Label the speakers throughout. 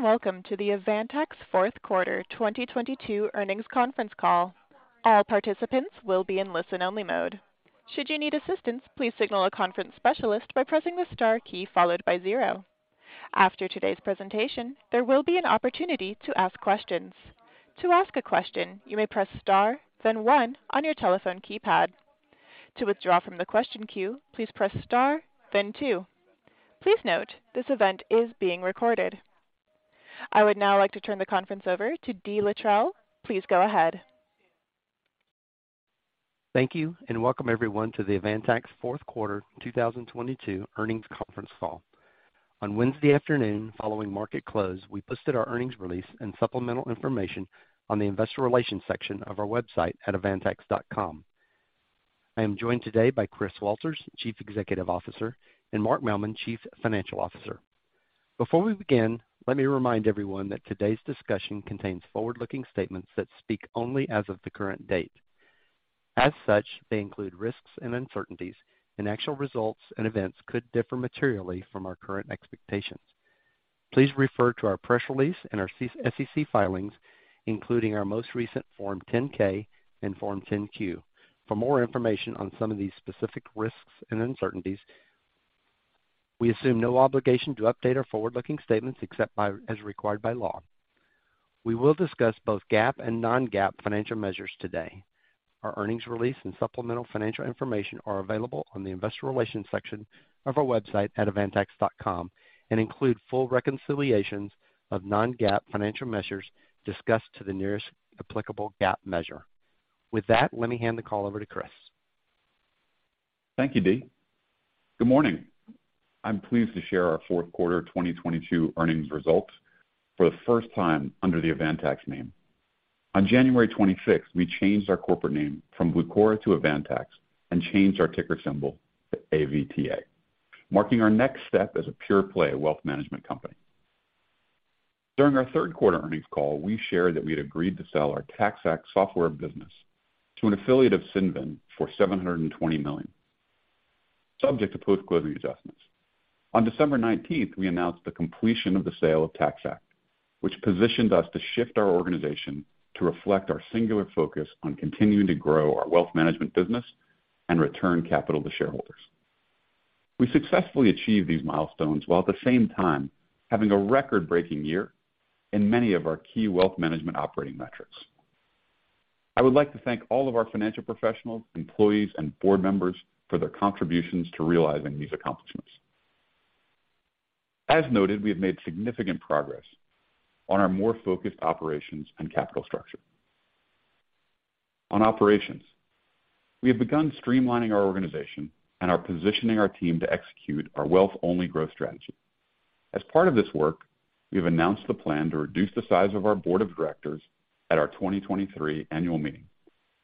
Speaker 1: Hello, welcome to the Avantax Q4 2022 earnings conference call. All participants will be in listen-only mode. Should you need assistance, please signal a conference specialist by pressing the star key followed by 0. After today's presentation, there will be an opportunity to ask questions. To ask a question, you may press star, then one on your telephone keypad. To withdraw from the question queue, please press star, then two. Please note, this event is being recorded. I would now like to turn the conference over to Dee Littrell. Please go ahead.
Speaker 2: Thank you, and welcome everyone to the Avantax Q4 2022 earnings conference call. On Wednesday afternoon, following market close, we posted our earnings release and supplemental information on the investor relations section of our website at avantax.com. I am joined today by Chris Walters, Chief Executive Officer, and Mark Mehlman, Chief Financial Officer. Before we begin, let me remind everyone that today's discussion contains forward-looking statements that speak only as of the current date. As such, they include risks and uncertainties, and actual results and events could differ materially from our current expectations. Please refer to our press release and our SEC filings, including our most recent Form 10-K and Form 10-Q, for more information on some of these specific risks and uncertainties. We assume no obligation to update our forward-looking statements except by as required by law. We will discuss both GAAP and non-GAAP financial measures today. Our earnings release and supplemental financial information are available on the investor relations section of our website at avantax.com and include full reconciliations of non-GAAP financial measures discussed to the nearest applicable GAAP measure. Let me hand the call over to Chris.
Speaker 3: Thank you, Dee. Good morning. I'm pleased to share our Q4 2022 earnings results for the first time under the Avantax name. On January 26th, we changed our corporate name from Blucora, Inc. to Avantax and changed our ticker symbol to AVTA, marking our next step as a pure-play wealth management company. During our Q3 earnings call, we shared that we had agreed to sell our TaxAct software business to an affiliate of Cinven for $720 million. Subject to post-closing adjustments. On December 19th, we announced the completion of the sale of TaxAct, which positioned us to shift our organization to reflect our singular focus on continuing to grow our wealth management business and return capital to shareholders. We successfully achieved these milestones while at the same time having a record-breaking year in many of our key wealth management operating metrics. I would like to thank all of our financial professionals, employees, and board members for their contributions to realizing these accomplishments. As noted, we have made significant progress on our more focused operations and capital structure. On operations, we have begun streamlining our organization and are positioning our team to execute our wealth-only growth strategy. As part of this work, we have announced the plan to reduce the size of our board of directors at our 2023 annual meeting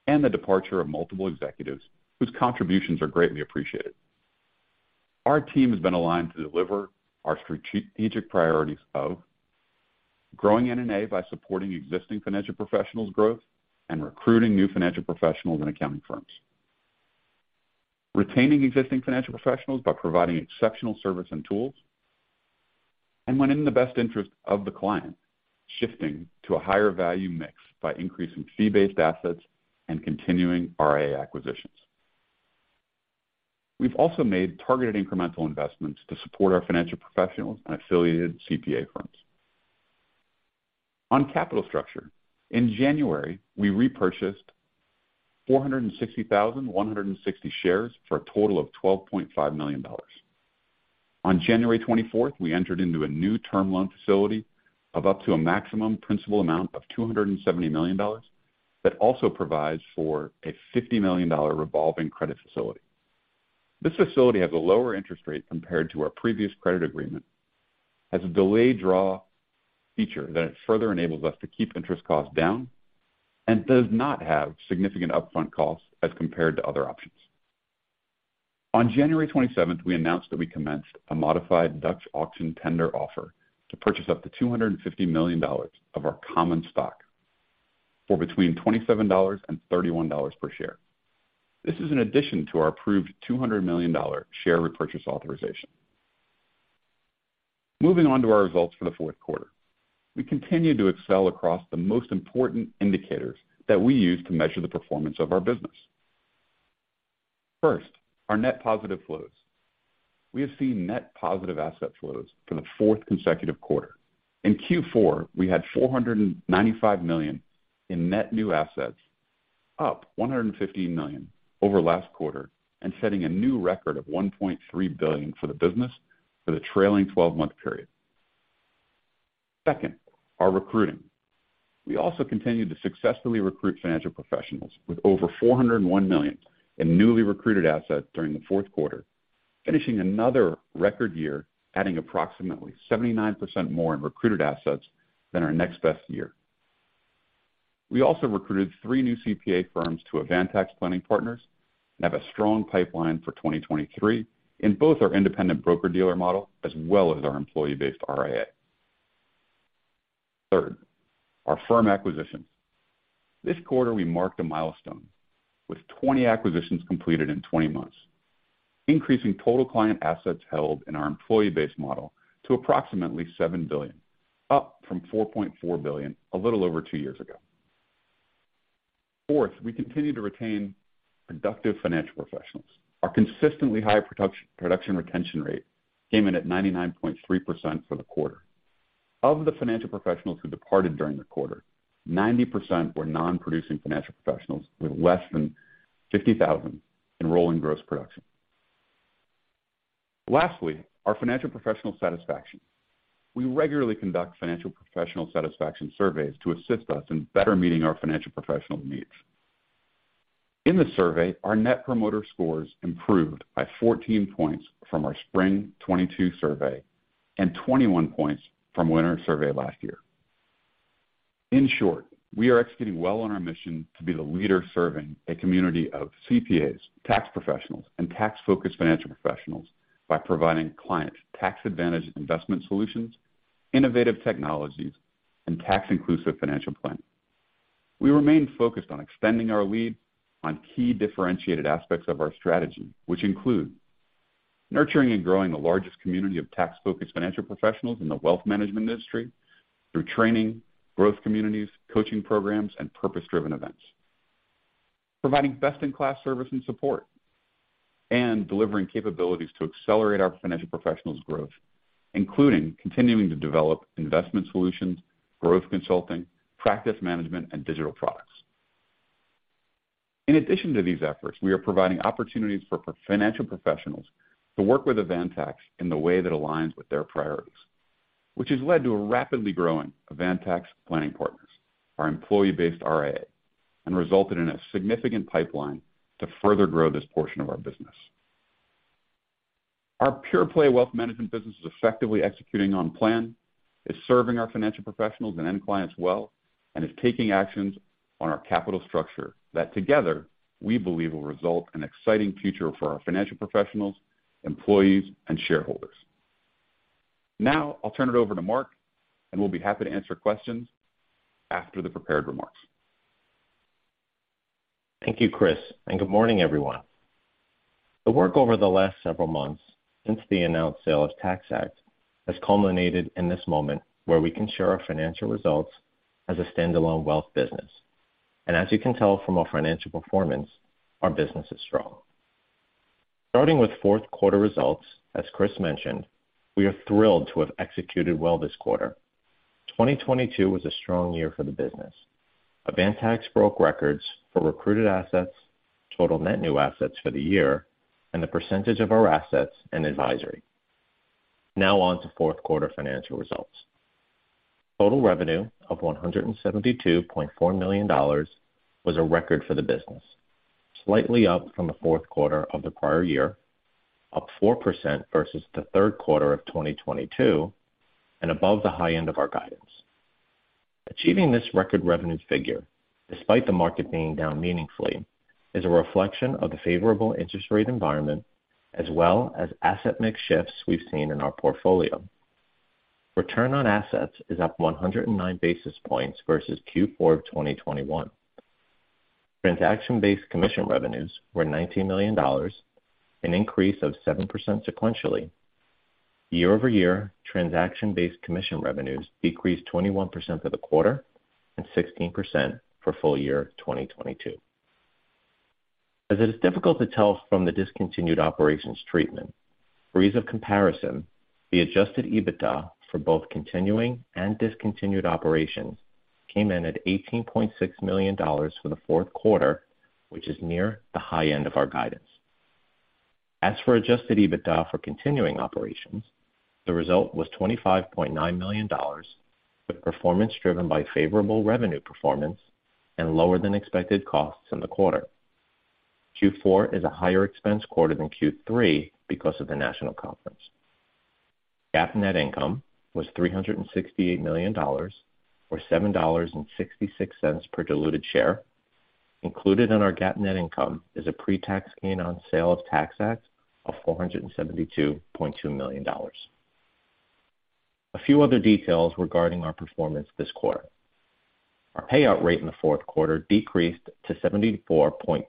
Speaker 3: and the departure of multiple executives whose contributions are greatly appreciated. Our team has been aligned to deliver our strategic priorities of growing NNA by supporting existing financial professionals' growth and recruiting new financial professionals and accounting firms. Retaining existing financial professionals by providing exceptional service and tools, and when in the best interest of the client, shifting to a higher value mix by increasing fee-based assets and continuing RIA acquisitions. We've also made targeted incremental investments to support our financial professionals and affiliated CPA firms. On capital structure, in January, we repurchased 460,160 shares for a total of $12.5 million. On January 24th, we entered into a new term loan facility of up to a maximum principal amount of $270 million that also provides for a $50 million revolving credit facility. This facility has a lower interest rate compared to our previous credit agreement, has a delayed draw feature that further enables us to keep interest costs down, and does not have significant upfront costs as compared to other options. On January 27th, we announced that we commenced a modified Dutch auction tender offer to purchase up to $250 million of our common stock for between $27 and $31 per share. This is in addition to our approved $200 million share repurchase authorization. Moving on to our results for the Q4. We continue to excel across the most important indicators that we use to measure the performance of our business. First, our net positive flows. We have seen net positive asset flows for the fourth consecutive quarter. In Q4, we had $495 million in net new assets, up $115 million over last quarter, and setting a new record of $1.3 billion for the business for the trailing twelve-month period. Second, our recruiting. We also continued to successfully recruit financial professionals with over $401 million in newly recruited assets during the 4th quarter, finishing another record year, adding approximately 79% more in recruited assets than our next best year. We also recruited three new CPA firms to Avantax Planning Partners and have a strong pipeline for 2023 in both our independent broker-dealer model as well as our employee-based RIA. Third, our firm acquisitions. This quarter, we marked a milestone with 20 acquisitions completed in 20 months, increasing total client assets held in our employee base model to approximately $7 billion, up from $4.4 billion a little over two years ago. Fourth, we continue to retain productive financial professionals. Our consistently high production retention rate came in at 99.3% for the quarter. Of the financial professionals who departed during the quarter, 90% were non-producing financial professionals with less than $50,000 in rolling gross production. Lastly, our financial professional satisfaction. We regularly conduct financial professional satisfaction surveys to assist us in better meeting our financial professionals' needs. In the survey, our Net Promoter Score improved by 14 points from our spring 2022 survey and 21 points from winter survey last year. In short, we are executing well on our mission to be the leader serving a community of CPAs, tax professionals, and tax-focused financial professionals by providing clients tax advantage investment solutions, innovative technologies, and tax inclusive financial planning. We remain focused on extending our lead on key differentiated aspects of our strategy, which include nurturing and growing the largest community of tax-focused financial professionals in the wealth management industry through training, growth communities, coaching programs, and purpose-driven events. Providing best-in-class service and support and delivering capabilities to accelerate our financial professionals growth, including continuing to develop investment solutions, growth consulting, practice management, and digital products. In addition to these efforts, we are providing opportunities for financial professionals to work with Avantax in the way that aligns with their priorities, which has led to a rapidly growing Avantax Planning Partners, our employee-based RIA, and resulted in a significant pipeline to further grow this portion of our business. Our pure play wealth management business is effectively executing on plan, is serving our financial professionals and end clients well, and is taking actions on our capital structure that together we believe will result in exciting future for our financial professionals, employees, and shareholders. Now, I'll turn it over to Mark, and we'll be happy to answer questions after the prepared remarks.
Speaker 4: Thank you, Chris, and good morning, everyone. The work over the last several months since the announced sale of TaxAct has culminated in this moment where we can share our financial results as a standalone wealth business. As you can tell from our financial performance, our business is strong. Starting with Q4 results, as Chris mentioned, we are thrilled to have executed well this quarter. 2022 was a strong year for the business. Avantax broke records for recruited assets, total net new assets for the year, and the percentage of our assets and advisory. Now on to Q4 financial results. Total revenue of $172.4 million was a record for the business, slightly up from the Q4 of the prior year, up 4% versus the Q3 of 2022, and above the high end of our guidance. Achieving this record revenue figure, despite the market being down meaningfully, is a reflection of the favorable interest rate environment as well as asset mix shifts we've seen in our portfolio. Return on assets is up 109 basis points versus Q4 of 2021. Transaction-based commission revenues were $90 million, an increase of 7% sequentially. Year-over-year, transaction-based commission revenues decreased 21% for the quarter and 16% for full year 2022. As it is difficult to tell from the discontinued operations treatment, for ease of comparison, the adjusted EBITDA for both continuing and discontinued operations came in at $18.6 million for the Q4, which is near the high end of our guidance. As for adjusted EBITDA for continuing operations, the result was $25.9 million, with performance driven by favorable revenue performance and lower than expected costs in the quarter. Q4 is a higher expense quarter than Q3 because of the national conference. GAAP net income was $368 million, or $7.66 per diluted share. Included in our GAAP net income is a pre-tax gain on sale of TaxAct of $472.2 million. A few other details regarding our performance this quarter. Our payout ratio in the Q4 decreased to 74.2%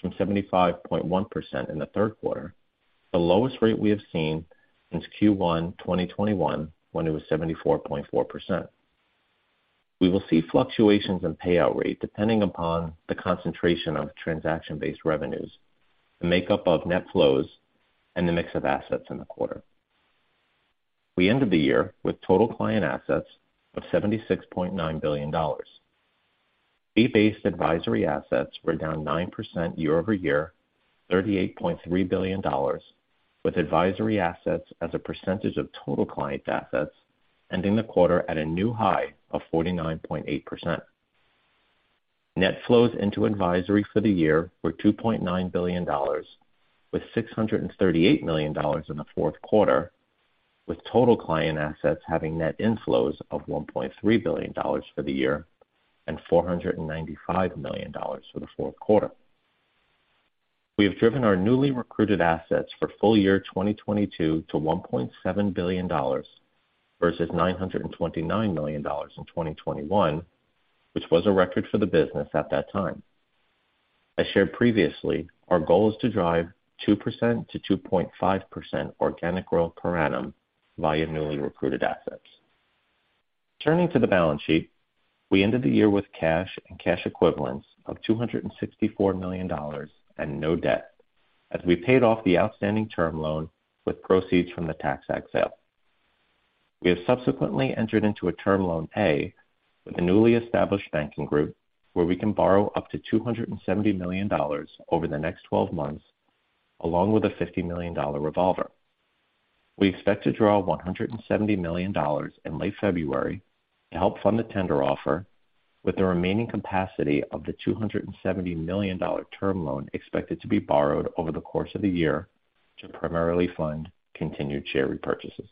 Speaker 4: from 75.1% in the Q3, the lowest rate we have seen since Q1 2021, when it was 74.4%. We will see fluctuations in payout ratio depending upon the concentration of transaction-based revenues, the makeup of net flows, and the mix of assets in the quarter. We ended the year with total client assets of $76.9 billion. Fee-based advisory assets were down 9% year-over-year, $38.3 billion, with advisory assets as a percentage of total client assets ending the quarter at a new high of 49.8%. Net flows into advisory for the year were $2.9 billion, with $638 million in the Q4, with total client assets having net inflows of $1.3 billion for the year and $495 million for the Q4. we have driven our newly recruited assets for full year 2022 to $1.7 billion versus $929 million in 2021, which was a record for the business at that time. As shared previously, our goal is to drive 2%-2.5% organic growth per annum via newly recruited assets. Turning to the balance sheet, we ended the year with cash and cash equivalents of $264 million and no debt, as we paid off the outstanding term loan with proceeds from the TaxAct sale. We have subsequently entered into a Term Loan A with a newly established banking group where we can borrow up to $270 million over the next 12 months, along with a $50 million revolver. We expect to draw $170 million in late February to help fund the tender offer with the remaining capacity of the $270 million Term Loan A expected to be borrowed over the course of the year to primarily fund continued share repurchases.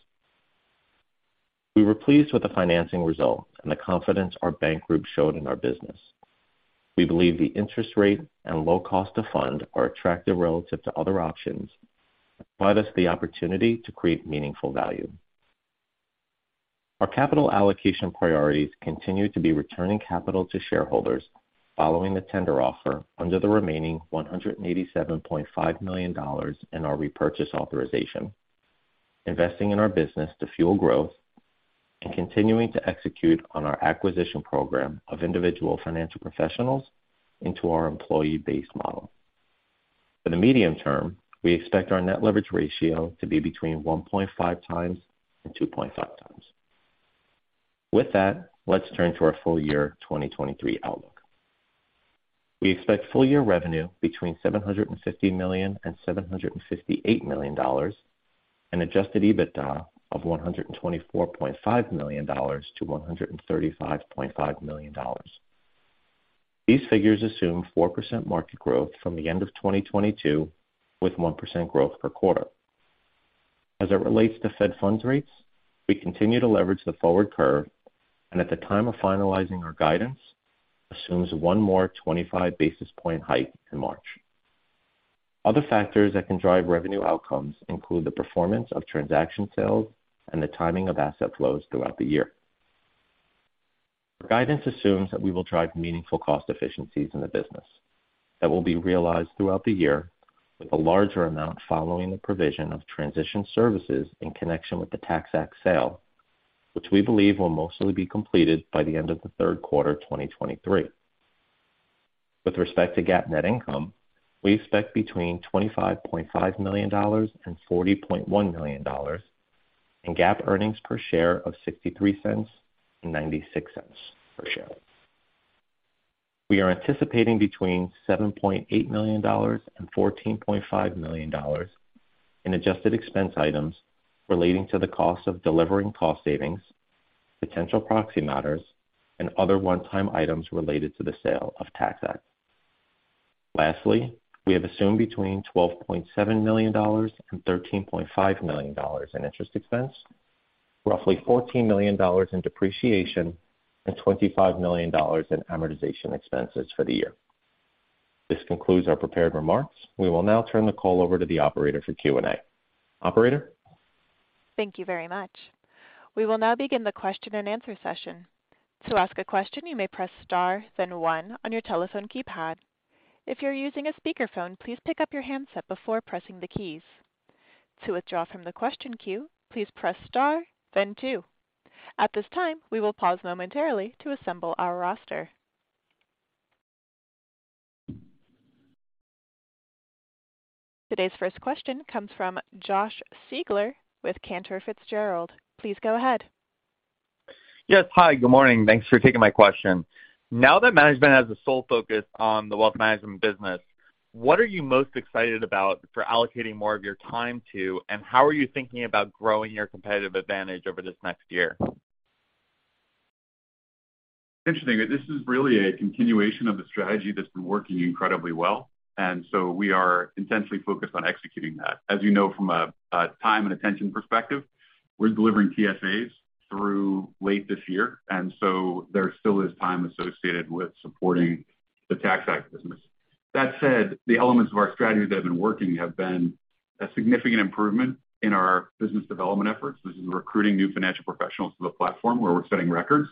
Speaker 4: We were pleased with the financing result and the confidence our bank group showed in our business. We believe the interest rate and low cost of fund are attractive relative to other options, provide us the opportunity to create meaningful value. Our capital allocation priorities continue to be returning capital to shareholders following the tender offer under the remaining $187.5 million in our repurchase authorization, investing in our business to fuel growth and continuing to execute on our acquisition program of individual financial professionals into our employee base model. For the medium term, we expect our net leverage ratio to be between 1.5x and 2.5x. With that, let's turn to our full year 2023 outlook. We expect full year revenue between $750 million and $758 million, an adjusted EBITDA of $124.5 million to $135.5 million. These figures assume 4% market growth from the end of 2022 with 1% growth per quarter. As it relates to federal funds rate, we continue to leverage the forward curve and at the time of finalizing our guidance assumes one more 25 basis point hike in March. Other factors that can drive revenue outcomes include the performance of transaction sales and the timing of asset flows throughout the year. Our guidance assumes that we will drive meaningful cost efficiencies in the business that will be realized throughout the year with a larger amount following the provision of transition services in connection with the TaxAct sale, which we believe will mostly be completed by the end of the Q3 2023. With respect to GAAP net income, we expect between $25.5 million and $40.1 million in GAAP earnings per share of $0.63 and $0.96 per share. We are anticipating between $7.8 million and $14.5 million in adjusted expense items relating to the cost of delivering cost savings, potential proxy matters, and other one-time items related to the sale of TaxAct. Lastly, we have assumed between $12.7 million and $13.5 million in interest expense, roughly $14 million in depreciation and $25 million in amortization expenses for the year. This concludes our prepared remarks. We will now turn the call over to the operator for Q&A. Operator?
Speaker 1: Thank you very much. We will now begin the question and answer session. To ask a question, you may press star then one on your telephone keypad. If you're using a speakerphone, please pick up your handset before pressing the keys. To withdraw from the question queue, please press star then two. At this time, we will pause momentarily to assemble our roster. Today's first question comes from Josh Siegler with Cantor Fitzgerald. Please go ahead.
Speaker 5: Yes. Hi, good morning. Thanks for taking my question. Now that management has a sole focus on the wealth management business, what are you most excited about for allocating more of your time to, and how are you thinking about growing your competitive advantage over this next year?
Speaker 4: Interesting. This is really a continuation of the strategy that's been working incredibly well. We are intensely focused on executing that. As you know from a time and attention perspective, we're delivering TSAs through late this year. There still is time associated with supporting the TaxAct business. That said, the elements of our strategy that have been working have been a significant improvement in our business development efforts. This is recruiting new financial professionals to the platform where we're setting records.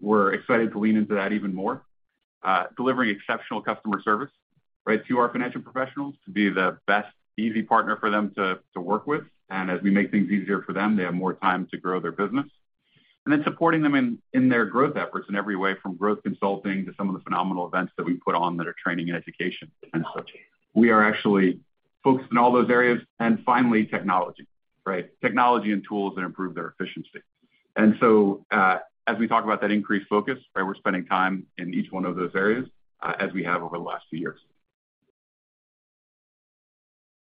Speaker 4: We're excited to lean into that even more. Delivering exceptional customer service, right, to our financial professionals to be the best easy partner for them to work with. As we make things easier for them, they have more time to grow their business. Supporting them in their growth efforts in every way, from growth consulting to some of the phenomenal events that we put on that are training and education and such. We are actually focused in all those areas. Finally, technology, right? Technology and tools that improve their efficiency. As we talk about that increased focus, right, we're spending time in each one of those areas, as we have over the last few years.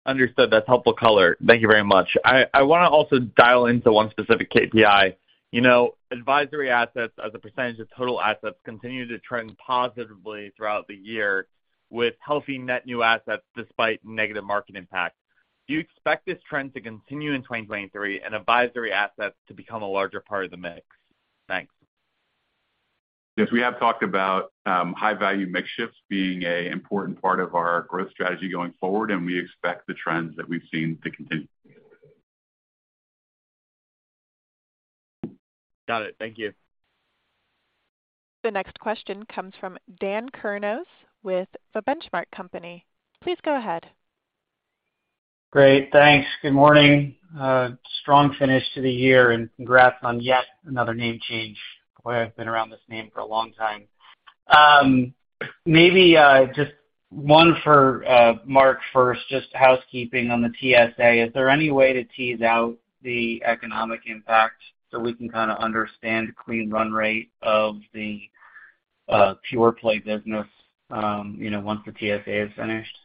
Speaker 5: Understood. That's helpful color. Thank you very much. I wanna also dial into 1 specific KPI. You know, advisory assets as a % of total assets continue to trend positively throughout the year with healthy net new assets despite negative market impact. Do you expect this trend to continue in 2023 and advisory assets to become a larger part of the mix? Thanks.
Speaker 6: We have talked about high-value mix shifts being an important part of our growth strategy going forward, and we expect the trends that we've seen to continue.
Speaker 7: Got it. Thank you.
Speaker 1: The next question comes from Dan Kurnos with The Benchmark Company. Please go ahead.
Speaker 8: Great. Thanks. Good morning. Strong finish to the year, and congrats on yet another name change. Boy, I've been around this name for a long time. Maybe just one for Mark first, just housekeeping on the TSA. Is there any way to tease out the economic impact so we can kinda understand clean run rate of the pure play business, you know, once the TSA is finished?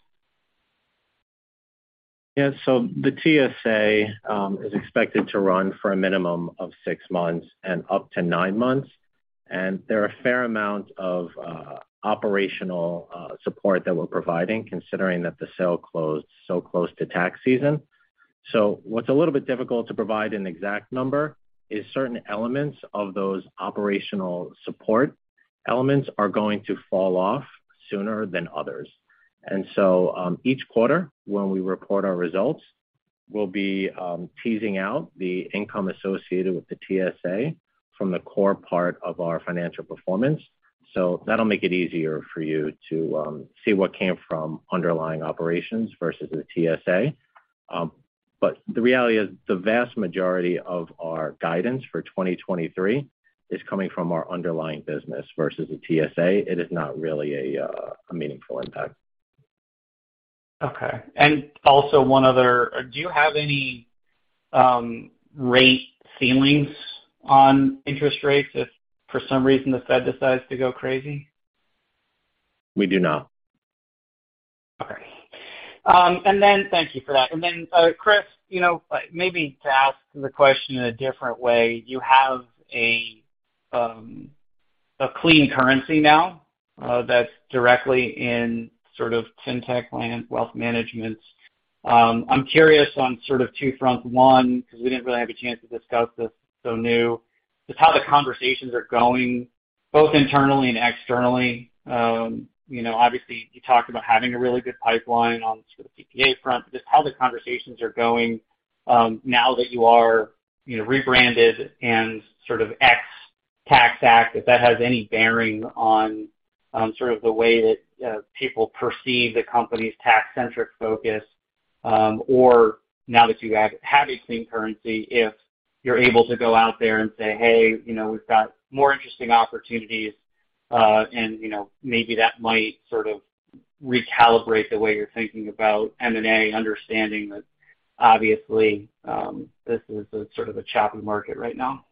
Speaker 6: The TSA is expected to run for a minimum of 6 months and up to 9 months. There are a fair amount of operational support that we're providing considering that the sale closed so close to tax season. What's a little bit difficult to provide an exact number is certain elements of those operational support elements are going to fall off sooner than others. Each quarter when we report our results, we'll be teasing out the income associated with the TSA from the core part of our financial performance. That'll make it easier for you to see what came from underlying operations versus the TSA. The reality is the vast majority of our guidance for 2023 is coming from our underlying business versus the TSA. It is not really a meaningful impact.
Speaker 8: Okay. Also one other. Do you have any rate ceilings on interest rates if for some reason the Fed decides to go crazy?
Speaker 6: We do not.
Speaker 8: Okay. Thank you for that. Chris, you know, maybe to ask the question in a different way, you have a clean currency now, that's directly in sort of fintech land, wealth management. I'm curious on sort of two fronts. One, 'cause we didn't really have a chance to discuss this, so new, just how the conversations are going both internally and externally. You know, obviously, you talked about having a really good pipeline on sort of the CPA front, but just how the conversations are going, now that you are, you know, rebranded and sort of ex-TaxAct, if that has any bearing on, sort of the way that, people perceive the company's tax-centric focus, or now that you have a clean currency, if you're able to go out there and say, "Hey, you know, we've got more interesting opportunities," and, you know, maybe that might sort of recalibrate the way you're thinking about M&A, understanding that obviously, this is a sort of a choppy market right now?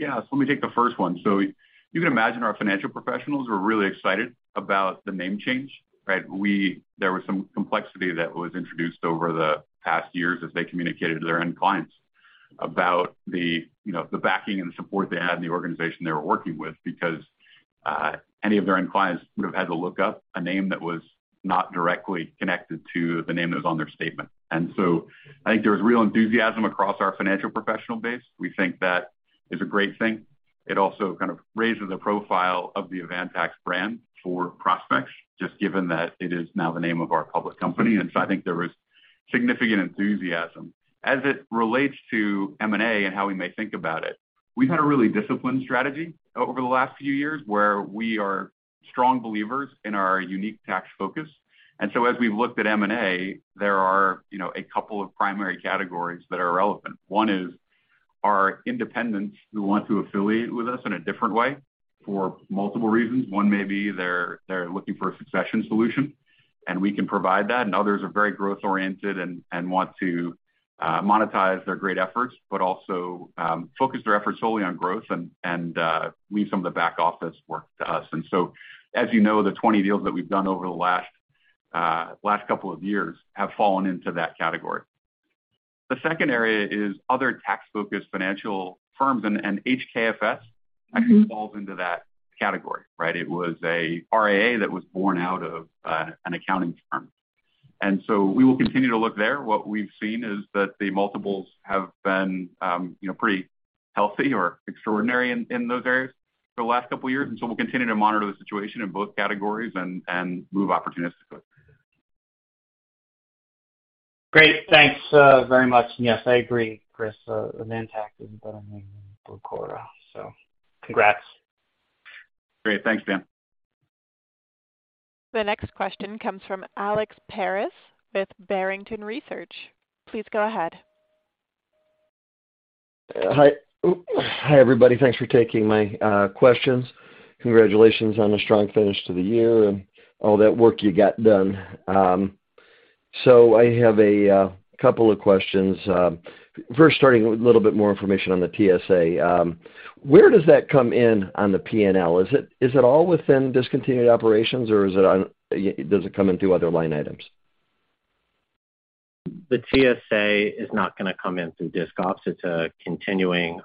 Speaker 6: Let me take the first one. You can imagine our financial professionals were really excited about the name change, right? There was some complexity that was introduced over the past years as they communicated to their end clients about the, you know, the backing and support they had in the organization they were working with because any of their end clients would have had to look up a name that was not directly connected to the name that was on their statement. I think there was real enthusiasm across our financial professional base. We think that is a great thing. It also kind of raises the profile of the Avantax brand for prospects, just given that it is now the name of our public company. I think there was significant enthusiasm. As it relates to M&A and how we may think about it, we've had a really disciplined strategy over the last few years, where we are strong believers in our unique tax focus. As we've looked at M&A, there are, you know, a couple of primary categories that are relevant. One is our independents who want to affiliate with us in a different way for multiple reasons. One may be they're looking for a succession solution, and we can provide that, and others are very growth-oriented and want to monetize their great efforts, but also focus their efforts solely on growth and leave some of the back office work to us. As you know, the 20 deals that we've done over the last couple of years have fallen into that category. The second area is other tax-focused financial firms, and HKFS actually falls into that category, right? It was a RIA that was born out of an accounting firm. We will continue to look there. What we've seen is that the multiples have been, you know, pretty healthy or extraordinary in those areas for the last couple of years. We'll continue to monitor the situation in both categories and move opportunistically.
Speaker 8: Great. Thanks, very much. Yes, I agree, Chris, Avantax is a better name than Blucora, Inc.. Congrats.
Speaker 6: Great. Thanks, Dan.
Speaker 1: The next question comes from Alex Paris with Barrington Research. Please go ahead.
Speaker 7: Hi. Hi, everybody. Thanks for taking my questions. Congratulations on the strong finish to the year and all that work you got done. I have a couple of questions. First starting with a little bit more information on the TSA. Where does that come in on the P&L? Is it all within discontinued operations, or does it come in through other line items?
Speaker 6: The TSA is not gonna come in through discontinued operations. It's a continuing,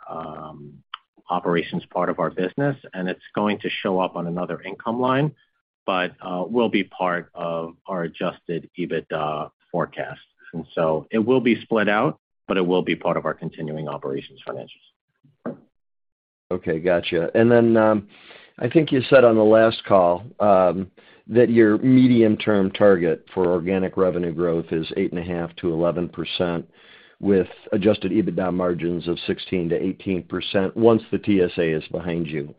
Speaker 6: operations part of our business, and it's going to show up on another income line.
Speaker 4: will be part of our adjusted EBITDA forecast. It will be split out, but it will be part of our continuing operations financials.
Speaker 7: Okay. Gotcha. I think you said on the last call, that your medium-term target for organic revenue growth is 8.5%-11% with adjusted EBITDA margins of 16%-18% once the TSA is behind you.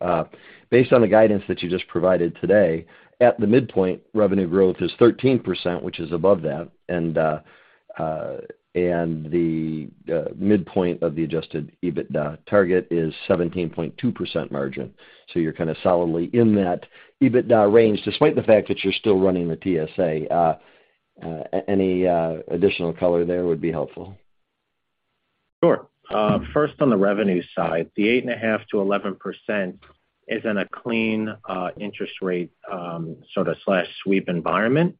Speaker 7: Based on the guidance that you just provided today, at the midpoint, revenue growth is 13%, which is above that. The midpoint of the adjusted EBITDA target is 17.2% margin. You're kinda solidly in that EBITDA range despite the fact that you're still running the TSA. Any additional color there would be helpful.
Speaker 4: Sure. First, on the revenue side, the 8.5%-11% is in a clean interest rate sort of slash sweep environment.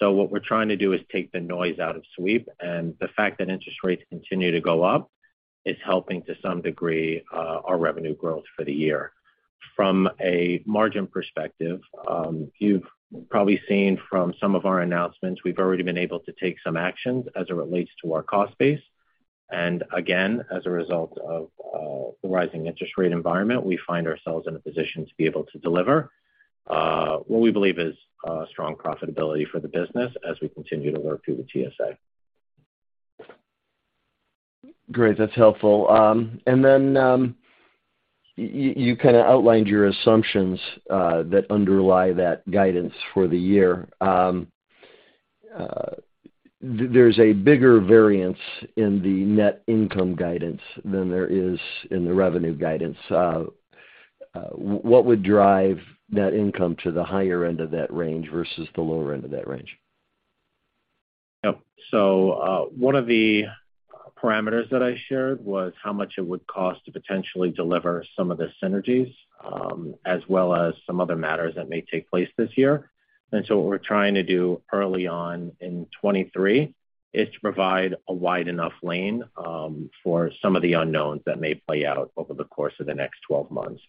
Speaker 4: What we're trying to do is take the noise out of sweep. The fact that interest rates continue to go up is helping to some degree our revenue growth for the year. From a margin perspective, you've probably seen from some of our announcements, we've already been able to take some actions as it relates to our cost base. Again, as a result of the rising interest rate environment, we find ourselves in a position to be able to deliver what we believe is a strong profitability for the business as we continue to work through the TSA.
Speaker 7: Great. That's helpful. You kinda outlined your assumptions, that underlie that guidance for the year. There's a bigger variance in the net income guidance than there is in the revenue guidance. What would drive net income to the higher end of that range versus the lower end of that range?
Speaker 4: Yep. One of the parameters that I shared was how much it would cost to potentially deliver some of the synergies, as well as some other matters that may take place this year. What we're trying to do early on in 2023 is to provide a wide enough lane for some of the unknowns that may play out over the course of the next 12 months.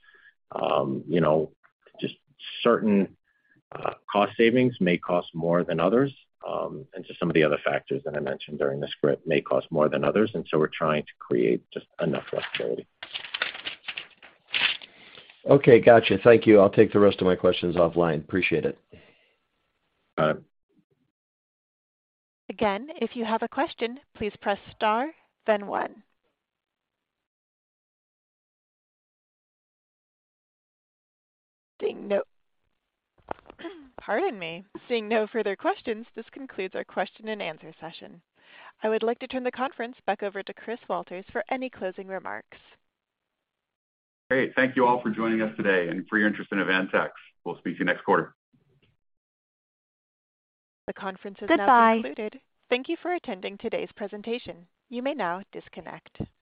Speaker 4: You know, just certain cost savings may cost more than others, and just some of the other factors that I mentioned during the script may cost more than others. We're trying to create just enough flexibility.
Speaker 7: Okay. Gotcha. Thank you. I'll take the rest of my questions offline. Appreciate it.
Speaker 4: Got it.
Speaker 1: Again, if you have a question, please press star then 1. Pardon me. Seeing no further questions, this concludes our question and answer session. I would like to turn the conference back over to Chris Walters for any closing remarks.
Speaker 4: Great. Thank you all for joining us today and for your interest in Avantax. We'll speak to you next quarter.
Speaker 1: The conference has now concluded.
Speaker 7: Goodbye.
Speaker 1: Thank you for attending today's presentation. You may now disconnect.